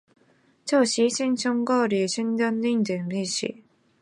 嘉靖十一年壬辰科第三甲第一百四十六名进士。